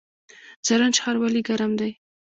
زرنج ښار ولې ګرم دی؟